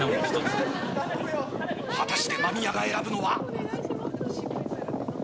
果たして、間宮が選ぶのは？